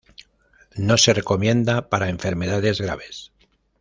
No se recomienda para enfermedades graves.